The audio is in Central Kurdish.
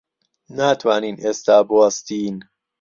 ناتوانین ئێستا بوەستین.